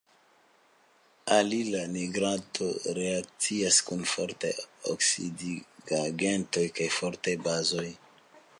Alila nitrato reakcias kun fortaj oksidigagentoj kaj fortaj bazoj.